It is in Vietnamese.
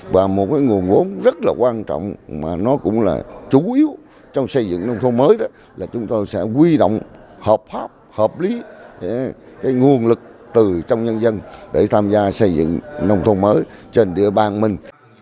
và một nguồn vốn rất là quan trọng mà nó cũng là chủ yếu trong xây dựng nông thôn mới đó là chúng tôi sẽ quy động hợp pháp hợp lý cái nguồn lực từ trong nhân dân để tham gia xây dựng nông thôn mới trên địa bàn mình